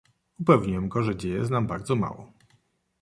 "Upewniłem go, że dzieje znam bardzo mało."